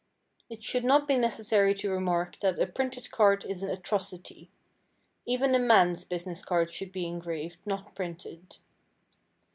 It should not be necessary to remark that a printed card is an atrocity. Even a man's business card should be engraved, not printed.